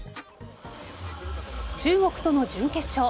中国との準決勝。